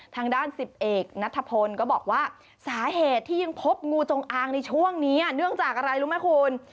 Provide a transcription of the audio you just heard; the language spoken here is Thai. ทางด้านสิบเอกนัทพลก็บอกว่าสาเหตุที่ยังพบงูจงอางในช่วงนี้เนื่องจากอะไรรู้ไหมคุณ